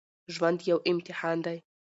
ژوند يو امتحان دی